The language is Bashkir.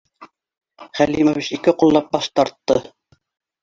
Халимович ике ҡуллап баш тартты: